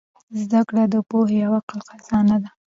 زدهکړه د پوهې او عقل خزانه ده.